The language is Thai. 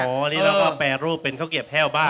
อันนี้เราก็แปรรูปเป็นข้าวเกียบแห้วบ้า